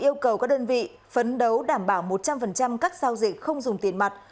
yêu cầu các đơn vị phấn đấu đảm bảo một trăm linh các giao dịch không dùng tiền mặt